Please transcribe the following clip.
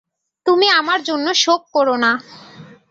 তুমি আমার জন্যে শোক কোরো না।